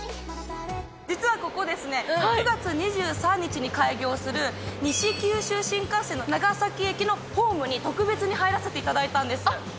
実はここですね、９月２３日に開業する西九州新幹線の長崎駅のホームに、特別に入えー。